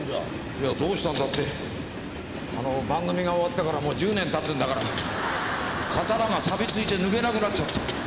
いやどうしたんだってあの番組が終わってからもう１０年たつんだから刀がサビついて抜けなくなっちゃった。